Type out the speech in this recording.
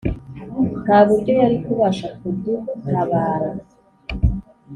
nta buryo yari kubasha kudutabara